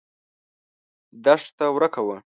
دښته ورکه وه.